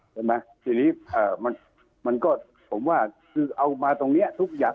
ใช่ไหมทีนี้มันมันก็ผมว่าคือเอามาตรงเนี้ยทุกอย่าง